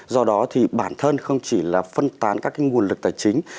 do đó thì bản thân không chỉ là phân tán các nguồn lực tài chính